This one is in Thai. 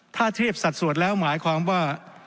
ถ้าเทียบสัดส่วนแล้วหมายความว่า